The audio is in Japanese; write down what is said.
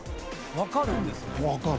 分かるんですか？